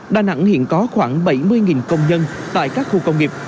đà nẵng hiện có khoảng bảy mươi công nhân tại các khu công nghiệp